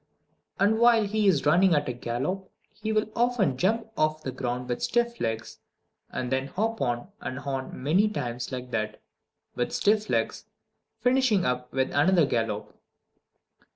And while he is running at a gallop, he will often jump off the ground with stiff legs, and then hop on and on many times like that, with stiff legs, finishing up with another gallop.